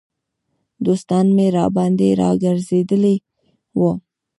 دوستان مې راباندې را ګرځېدلي وو.